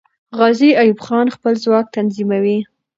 غازي ایوب خان خپل ځواک تنظیموي.